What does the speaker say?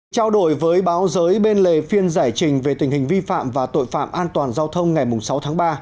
trao đổi với báo giới bên lề phiên giải trình về tình hình vi phạm và tội phạm an toàn giao thông ngày sáu tháng ba